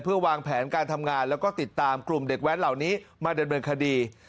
เพื่อวางแผนการทำงานแล้วก็ติดตามกลุ่มเด็กแว้นเหล่านี้มาดำเนินคดี